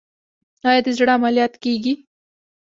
آیا د زړه عملیات کیږي؟